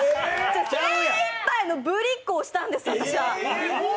精いっぱいのぶりっこをしたんです、私は。